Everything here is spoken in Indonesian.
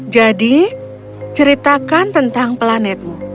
jadi ceritakan tentang planetmu